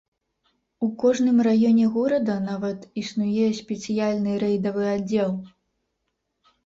У кожным раёне горада нават існуе спецыяльны рэйдавы аддзел.